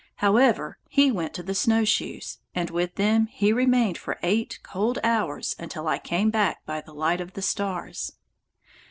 However, he went to the snowshoes, and with them he remained for eight cold hours until I came back by the light of the stars.